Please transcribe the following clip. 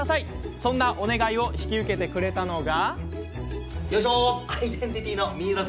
そんなお願いを引き受けてくれたのが。